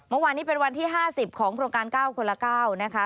เมื่อวานนี้เป็นวันที่๕๐ของโครงการ๙คนละ๙นะคะ